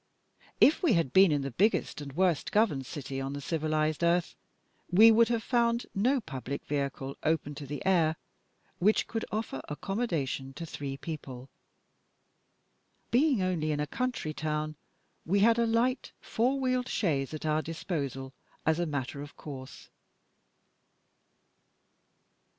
If we had been in the biggest and worst governed city on the civilised earth, we should have found no public vehicle, open to the air, which could offer accommodation to three people. Being only in a country town, we had a light four wheeled chaise at our disposal, as a matter of course.